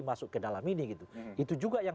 masuk ke dalam ini gitu itu juga yang